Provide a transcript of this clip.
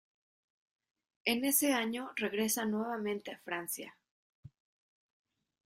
En ese año regresa nuevamente a Francia.